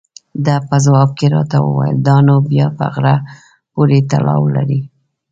ده په ځواب کې راته وویل: دا نو بیا په غره پورې تړاو لري.